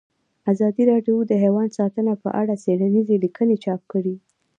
ازادي راډیو د حیوان ساتنه په اړه څېړنیزې لیکنې چاپ کړي.